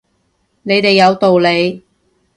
你哋有道理